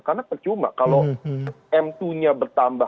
karena tercuma kalau m dua nya bertambah